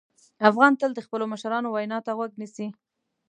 افغان تل د خپلو مشرانو وینا ته غوږ نیسي.